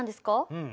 うん。